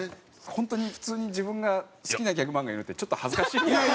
本当に普通に自分が好きなギャグ漫画読むってちょっと恥ずかしいですね。